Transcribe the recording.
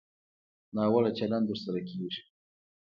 ناوړه چلند ورسره کېږي.